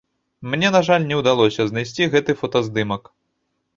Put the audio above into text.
Мне, на жаль, не ўдалося знайсці гэты фотаздымак.